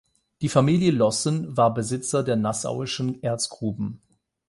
Die Familie Lossen war Besitzer der nassauischen Erzgruben.